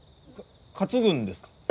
担ぐんですか？